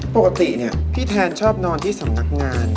ปกติพี่แทนชอบนอนที่สำนักงาน